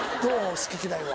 好き嫌いは。